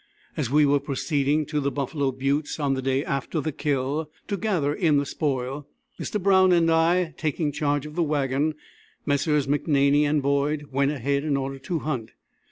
As we were proceeding to the Buffalo Buttes on the day after the "kill" to gather in the spoil, Mr. Brown and I taking charge of the wagon, Messrs. McNaney and Boyd went ahead in order to hunt.